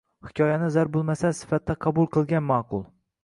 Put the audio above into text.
Hikoyani zarbulmasal sifatida qabul qilgan maʼqul